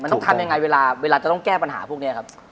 มันต้องทำยังไงเวลาจะต้องแก้ปัญหาพวกนี้ครับ